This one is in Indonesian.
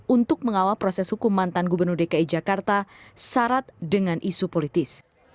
untuk mengawal proses hukum mantan gubernur dki jakarta syarat dengan isu politis